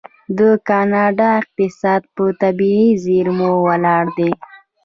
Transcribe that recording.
د کاناډا اقتصاد په طبیعي زیرمو ولاړ دی.